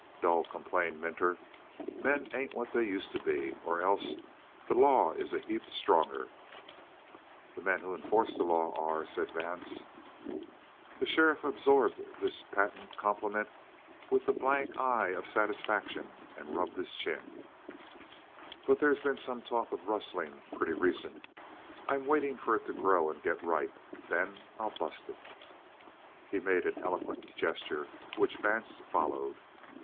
"Dull," complained Minter. "Men ain't what they used to be, or else the law is a heap stronger." "The men who enforce the law are," said Vance. The sheriff absorbed this patent compliment with the blank eye of satisfaction and rubbed his chin. "But they's been some talk of rustling, pretty recent. I'm waiting for it to grow and get ripe. Then I'll bust it." He made an eloquent gesture which Vance followed.